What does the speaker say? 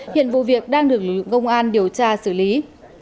hiện vụ việc đang được lực lượng công an điều tra xử lý